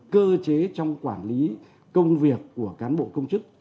cơ chế trong quản lý công việc của cán bộ công chức